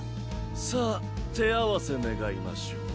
さぁ手合わせ願いましょう。